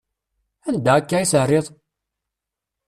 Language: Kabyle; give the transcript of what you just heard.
Anda akka i terriḍ?